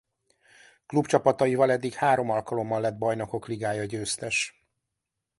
Klubcsapataival eddig három alkalommal lett Bajnokok Ligája győztes.